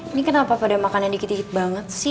ini kenapa pada makanan dikit dikit banget sih